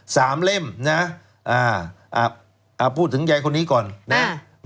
สามเล่มนะอ่าอ่าพูดถึงใยคนนี้ก่อนอ่า